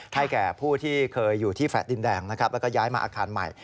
ให้แก่ผู้ที่เคยอยู่ที่แฝดดินแดงแล้วก็ย้ายมาอาคารใหม่